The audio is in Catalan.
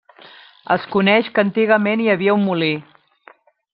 Es coneix que antigament hi havia un molí.